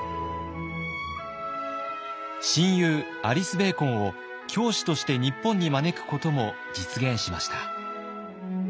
親友アリス・ベーコンを教師として日本に招くことも実現しました。